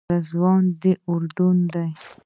رضوان د اردن دی.